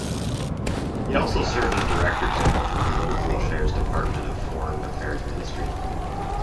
He also served as director general for political affairs department of Foreign Affairs ministry.